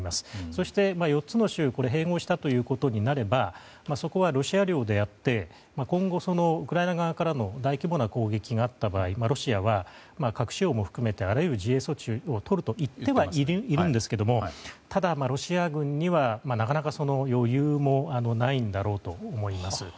そして、４つの州を併合したということになればそこはロシア領であって今後、ウクライナ側からの大規模な攻撃があった場合ロシアは核使用を含めてあらゆる自衛措置をとると言ってはいるんですけれどもただ、ロシア軍にはなかなか、その余裕もないんだろうと思います。